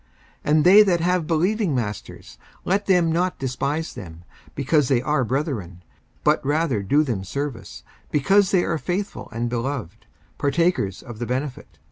54:006:002 And they that have believing masters, let them not despise them, because they are brethren; but rather do them service, because they are faithful and beloved, partakers of the benefit.